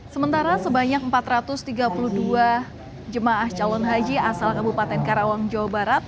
sementara sebanyak empat ratus tiga puluh dua jemaah calon haji asal kabupaten karawang jawa barat